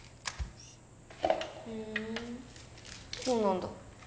そうなんだ。